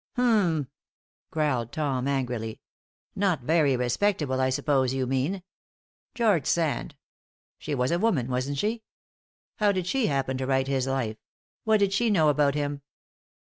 "H'm!" growled Tom, angrily. "Not very respectable, I suppose you mean. George Sand! She was a woman, wasn't she? How did she happen to write his life? What did she know about him?"